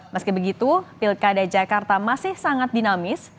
meski begitu pilkada jakarta masih sangat dinamis